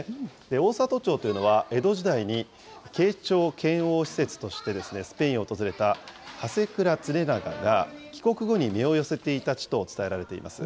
大郷町というのは、江戸時代に慶長遣欧使節としてですね、スペインを訪れた支倉常長が帰国後に身を寄せていた地と伝えられています。